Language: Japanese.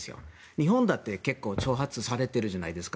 日本だって結構挑発されているじゃないですか。